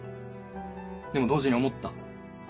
でも同時に思った。